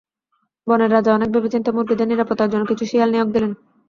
বনের রাজা অনেক ভেবে-চিন্তে মুরগিদের নিরাপত্তার জন্য কিছু শিয়াল নিয়োগ দিলেন।